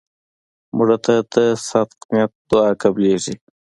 مړه ته د صدق نیت دعا قبلیږي